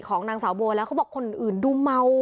ของนางสาวโบแล้วเขาบอกคนอื่นดูเมา